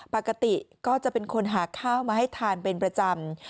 ปกติก็จะเป็นคนหาข้าวมาให้ทานเป็นประจำ